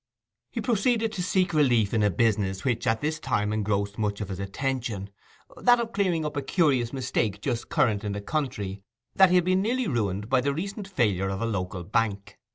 He proceeded to seek relief in a business which at this time engrossed much of his attention—that of clearing up a curious mistake just current in the county, that he had been nearly ruined by the recent failure of a local bank.